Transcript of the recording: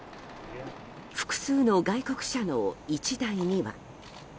複数の外国車の１台には。